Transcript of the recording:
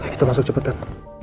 kita masuk cepetan